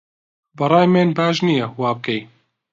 بەڕای من باش نییە وابکەی